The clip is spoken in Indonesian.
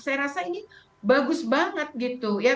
saya rasa ini bagus banget gitu ya